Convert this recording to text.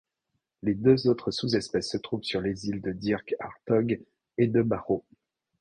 Les deux autres sous-espèces se trouvent sur les îles Dirk Hartog et de Barrow.